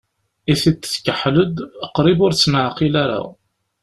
I tiṭ tkeḥḥel-d, qrib ur tt-neɛqil ara.